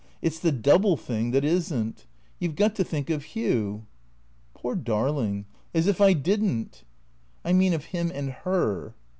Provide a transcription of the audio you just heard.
It's the double thing that isn't. You 've got to think of Hugh." " Poor darling, as if I did n't." " I mean — of him and her."